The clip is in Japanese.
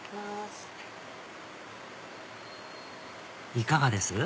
いかがです？